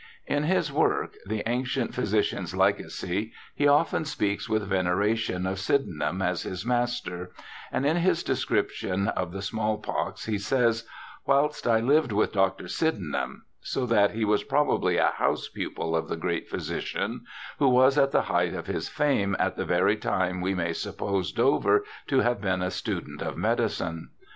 In his work, The Ancient Physicians Legacy, he often speaks with veneration of Sydenham as his Master; and in his description of the smallpox he says, 'whilst I lived with Dr. Sydenham,' so that he was probably a house pupil of the great physician, who was at the height of his fame at the very time we may suppose Dover to have been a student of medicine.